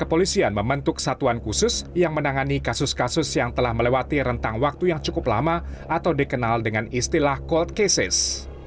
kepolisian membentuk satuan khusus yang menangani kasus kasus yang telah melewati rentang waktu yang cukup lama atau dikenal dengan istilah cold cases